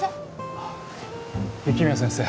あっ雪宮先生。